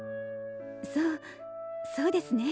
そうそうですね。